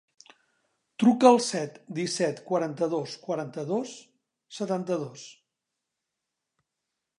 Truca al set, disset, quaranta-dos, quaranta-dos, setanta-dos.